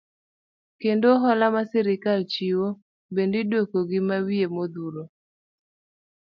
Kendo hola ma sirikal chiwo, bende iduoko gi mawiye modhuro.